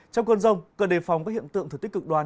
trong cơn rông cần đề phòng các hiện tượng thực tích cực đoan